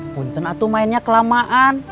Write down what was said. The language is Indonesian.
punten itu mainnya kelamaan